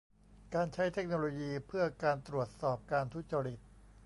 การใช้เทคโนโลยีเพื่อการตรวจสอบการทุจริต